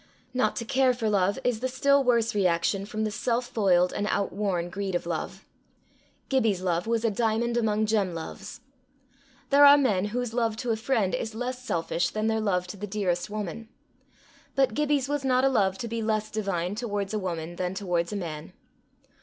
Not to care for love is the still worse reaction from the self foiled and outworn greed of love. Gibbie's love was a diamond among gem loves. There are men whose love to a friend is less selfish than their love to the dearest woman; but Gibbie's was not a love to be less divine towards a woman than towards a man.